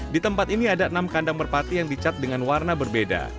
di tempat ini ada enam kandang merpati yang dicat dengan warna berbeda